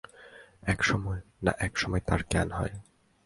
এক সময়-না-এক সময় তার জ্ঞান হয়।